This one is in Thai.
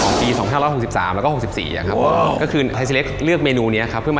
อ๋อมีนี่ด้วยนะครับผม